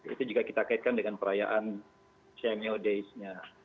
itu juga kita kaitkan dengan perayaan cmo days nya